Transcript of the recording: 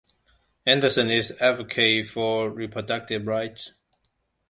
Anderson is an advocate for reproductive rights.